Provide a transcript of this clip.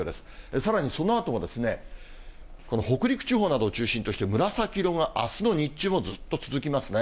さらにそのあとも、この北陸地方などを中心として、紫色があすの日中もずっと続きますね。